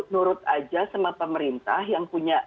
nurut aja sama pemerintah yang punya